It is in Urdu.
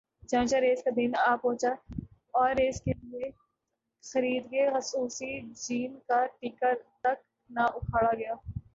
چناچہ ریس کا دن آپہنچا اور ریس کے لیے خرید گ خصوصی ج کا ٹیکہ تک نا اکھاڑا گیا